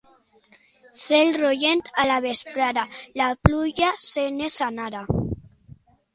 Cel rogent a la vesprada, la pluja se n'és anada.